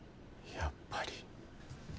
やっぱり。